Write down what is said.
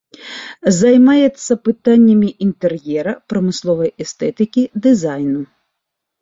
Займаецца пытаннямі інтэр'ера, прамысловай эстэтыкі, дызайну.